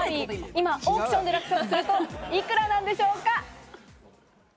今オークションで落札すると幾らなんでしょうか？